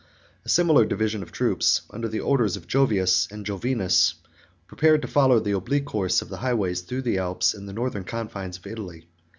A similar division of troops, under the orders of Jovius and Jovinus, prepared to follow the oblique course of the highways, through the Alps, and the northern confines of Italy.